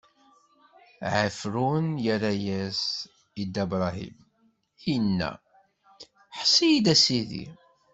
Ɛifṛun irra-as i Dda Bṛahim, inna: Ḥess-iyi-d, a sidi!